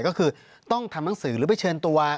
ก็คือต้องทำหนังสือหรือไปเชิญตัว